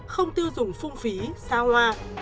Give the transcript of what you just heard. không tiêu dùng phung phí xa hoa